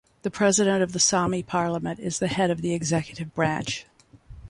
The President of the Sami Parliament is the head of the executive branch.